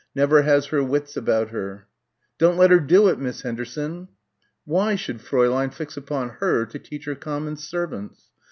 "never has her wits about her...." "Don't let her do it, Miss Henderson...." Why should Fräulein fix upon her to teach her common servants?